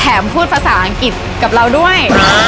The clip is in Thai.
พูดภาษาอังกฤษกับเราด้วย